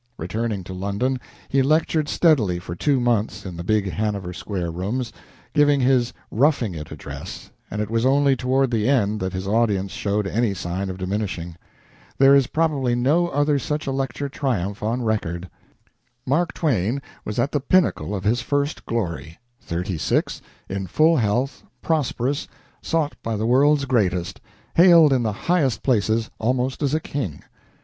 Returning to London, he lectured steadily for two months in the big Hanover Square rooms, giving his "Roughing It" address, and it was only toward the end that his audience showed any sign of diminishing. There is probably no other such a lecture triumph on record. Mark Twain was at the pinnacle of his first glory: thirty six, in full health, prosperous, sought by the world's greatest, hailed in the highest places almost as a king.